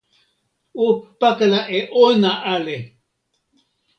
o pakala e ona ale!